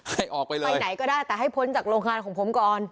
ให้ออกไปเลยไปไหนก็ได้แต่ให้พ้นจากโรงงานของผมก่อน